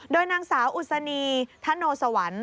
โดยนางสาวอุศนีธโนสวรรค์